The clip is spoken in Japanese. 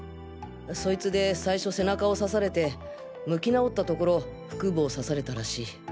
そいつで最初背中を刺されて向き直ったところ腹部を刺されたらしい。